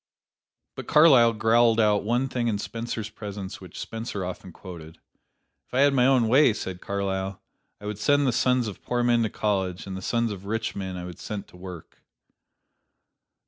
But Carlyle growled out one thing in Spencer's presence which Spencer often quoted. "If I had my own way," said Carlyle, "I would send the sons of poor men to college, and the sons of rich men I would set to work."